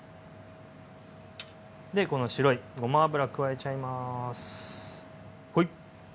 でこの白いごま油加えちゃいますはい。